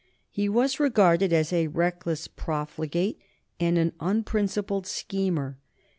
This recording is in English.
He was regarded as a reckless profligate and an unprincipled schemer.